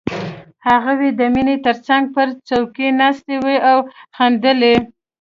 هغوی د مينې تر څنګ پر څوکۍ ناستې وې او خندلې